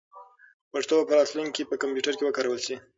پښتو به په راتلونکي کې په کمپیوټر کې وکارول شي.